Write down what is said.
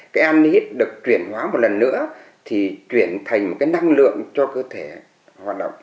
cái an đi hít được chuyển hóa một lần nữa thì chuyển thành một cái năng lượng cho cơ thể hoạt động